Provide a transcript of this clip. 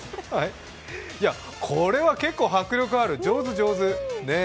これは結構迫力ある、上手、上手。